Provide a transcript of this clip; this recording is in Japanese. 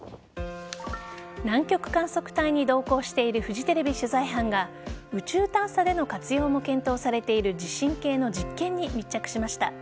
南極観測隊に同行しているフジテレビ取材班が宇宙探査での活用も検討されている地震計の実験に密着しました。